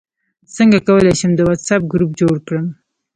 څنګه کولی شم د واټساپ ګروپ جوړ کړم